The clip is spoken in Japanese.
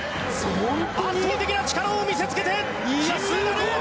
圧倒的な力を見せつけて金メダル！